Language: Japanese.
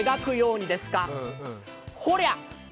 ほりゃ！